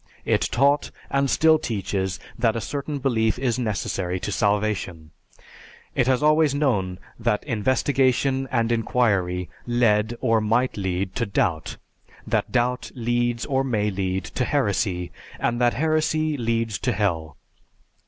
It taught, and still teaches, that a certain belief is necessary to salvation. It has always known that investigation and inquiry led, or might lead, to doubt; that doubt leads, or may lead, to heresy, and that heresy leads to Hell.